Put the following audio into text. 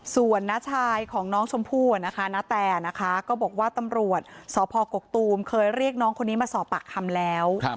ส่วนน้าชายของน้องชมพู่นะคะณแต่นะคะก็บอกว่าตำรวจสพกกตูมเคยเรียกน้องคนนี้มาสอบปากคำแล้ว